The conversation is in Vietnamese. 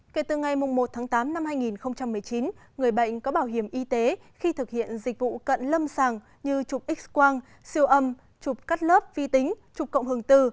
kể từ ngày một tháng tám năm hai nghìn một mươi chín người bệnh có bảo hiểm y tế khi thực hiện dịch vụ cận lâm sàng như chụp x quang siêu âm chụp cắt lớp vi tính chụp cộng hưởng tư